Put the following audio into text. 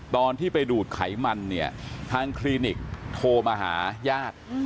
ตอนที่ไปดูดไขมันเนี่ยทางคลินิกโทรมาหาญาติ